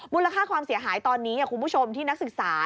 ค่าความเสียหายตอนนี้คุณผู้ชมที่นักศึกษา